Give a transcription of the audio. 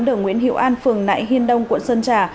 hai mươi tám đường nguyễn hiệu an phường nại hiên đông quận sơn trà